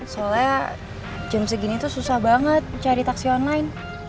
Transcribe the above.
soalnya jam segini tuh susah banget cari taksi online